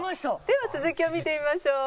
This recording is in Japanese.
では続きを見てみましょう。